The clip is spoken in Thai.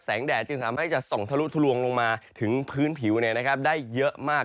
แดดจึงสามารถจะส่องทะลุทะลวงลงมาถึงพื้นผิวได้เยอะมาก